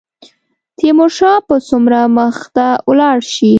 تیمورشاه به څومره مخته ولاړ شي.